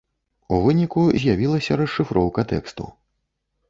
У выніку з'явілася расшыфроўка тэксту.